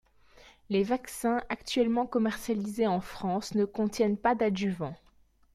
Les vaccins actuellement commercialisés en France ne contiennent pas d'adjuvant.